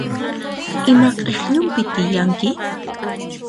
Ima k'ikllupin tiyanki?